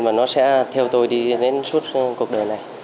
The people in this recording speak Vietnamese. mà nó sẽ theo tôi đi đến suốt cuộc đời này